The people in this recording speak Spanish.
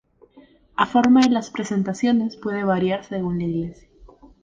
A forma de las presentaciones puede variar según la iglesia.